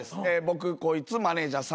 僕こいつマネジャー。